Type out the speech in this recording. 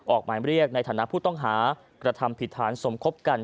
ออกหมายเรียกในฐานะผู้ต้องหากระทำผิดฐานสมคบกัน